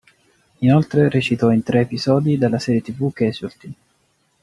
Inoltre recitò in tre episodi della serie tv "Casualty".